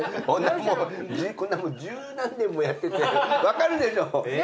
十何年もやってて分かるでしょ。